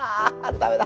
ダメだ。